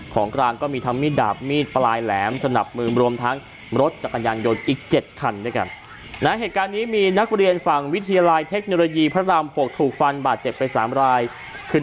ของกลางก็มีทำมีดาบมีดปลายแหลมสนับมือ